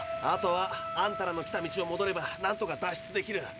あとはあんたらの来た道をもどればなんとか脱出できる。